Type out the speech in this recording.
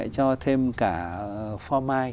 cho thêm cả phô mai